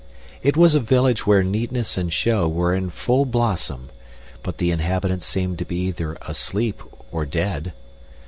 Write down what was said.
It was a village where neatness and show were in full blossom, but the inhabitants seemed to be either asleep or dead.